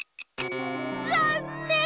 ざんねん！